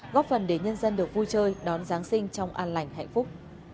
góp phần để nhân dân được vui chơi đón giáng sinh trong an lành hạnh phúc